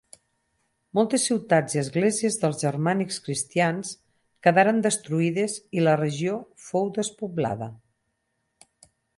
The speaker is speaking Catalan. Moltes ciutats i esglésies dels germànics cristians quedaren destruïdes i la regió fou despoblada.